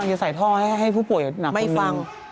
ต้องเก็บไถ่ท่อให้ผู้ป่วยหนักนึงไม่ฟัง